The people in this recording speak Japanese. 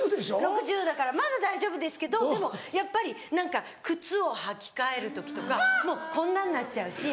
６０だからまだ大丈夫ですけどでもやっぱり何か靴を履き替える時とかもうこんなんなっちゃうし。